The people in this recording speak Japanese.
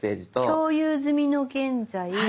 「共有済みの現在」。